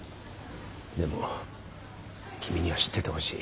でも君には知っててほしい。